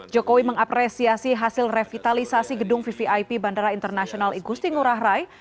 jokowi mengapresiasi hasil revitalisasi gedung vvip bandara internasional igusti ngurah rai